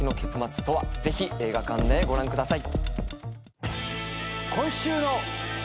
ぜひ映画館でご覧ください。